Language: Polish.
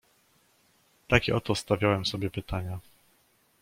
"Takie oto stawiałem sobie pytania."